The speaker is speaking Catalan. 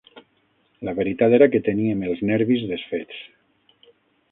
La veritat era que teníem els nervis desfets